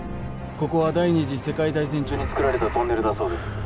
ここは第２次世界大戦中に造られたトンネルだそうです